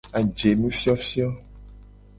Ajenufiofio.